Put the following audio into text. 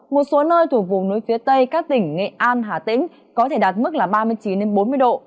một số nơi thuộc vùng núi phía tây các tỉnh nghệ an hà tĩnh có thể đạt mức ba mươi chín bốn mươi độ